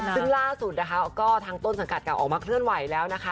ซึ่งล่าสุดนะคะก็ทางต้นสังกัดเก่าออกมาเคลื่อนไหวแล้วนะคะ